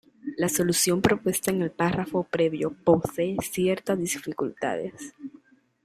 La solución propuesta en el párrafo previo posee ciertas dificultades.